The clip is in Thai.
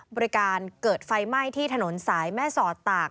บริการเกิดไฟไหม้ที่ถนนสายแม่สอดตาก